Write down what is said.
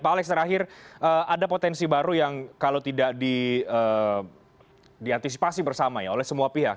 pak alex terakhir ada potensi baru yang kalau tidak diantisipasi bersama ya oleh semua pihak